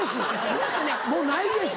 もうないです。